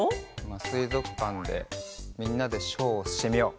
まあすいぞくかんでみんなでショーをしてみよう。